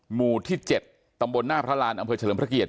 หมู่ที่๗ตำบลหน้าพระรานอำเภอเฉลิมพระเกียรติ